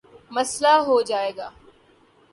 مسلہ ہو جائے گا